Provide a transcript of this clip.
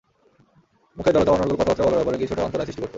মুখের জড়তা অনর্গল কথাবার্তা বলার ব্যাপারে কিছুটা অন্তরায় সৃষ্টি করত।